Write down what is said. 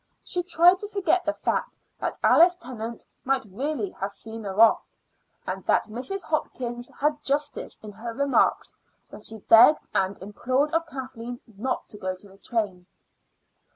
She tried to forget the fact that Alice Tennant might really have seen her off, and that Mrs. Hopkins had justice in her remarks when she begged and implored of Kathleen not to go to the train.